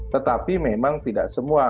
tetapi memang tidak semua